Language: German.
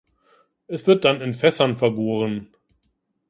Es wird dann in Fässern vergoren.